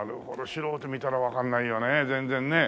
素人見たらわからないよね全然ね。